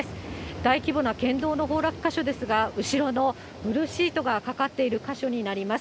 大規模な県道の崩落箇所ですが、後ろのブルーシートがかかっている箇所になります。